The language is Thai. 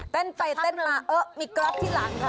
เต้นไปเต้นมาเออมีกรอบที่หลังค่ะ